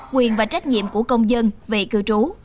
quyền và trách nhiệm của công dân về cư trú